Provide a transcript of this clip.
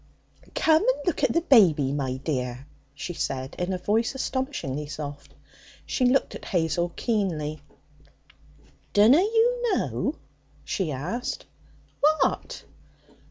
'Come and look at the baby, my dear,' she said in a voice astonishingly soft. She looked at Hazel keenly. 'Dunna you know?' she asked. 'What?'